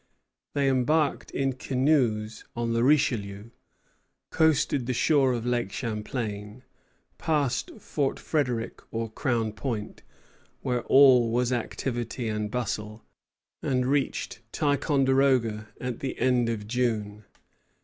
They embarked in canoes on the Richelieu, coasted the shore of Lake Champlain, passed Fort Frederic or Crown Point, where all was activity and bustle, and reached Ticonderoga at the end of June.